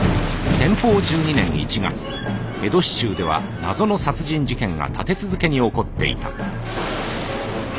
天保１２年１月江戸市中では謎の殺人事件が立て続けに起こっていた。